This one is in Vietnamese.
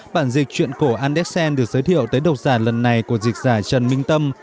bản dịch chuyện chuyện cổ anderson được giới thiệu tới độc giả lần này của dịch giả trần minh tâm